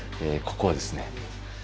ここはですね